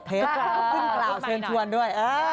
ขึ้นกล่าวเชิญชวนด้วย